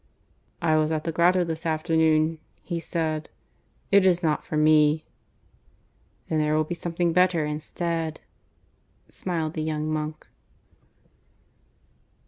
"I was at the grotto this afternoon," he said. "It is not for me." "Then there will be something better instead," smiled the young monk.